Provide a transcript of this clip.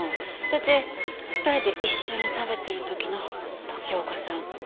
だって２人で一緒に食べてる時の時岡さん